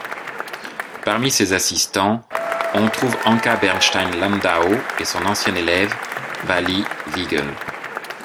Parmi ses assistants, on trouve Anka Bernstein-Landau et son ancien élève, Vally Weigl.